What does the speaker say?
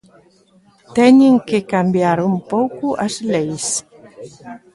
Teñen que cambiar un pouco as leis.